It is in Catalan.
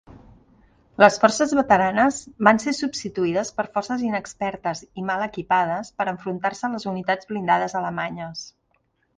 Les forces veteranes van ser substituïdes per forces inexpertes i mal equipades per enfrontar-se a les unitats blindades alemanyes.